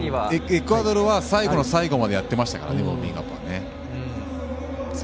エクアドルは最後の最後までやってましたからウォーミングアップは。